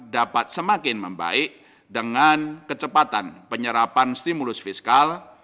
dapat semakin membaik dengan kecepatan penyerapan stimulus fiskal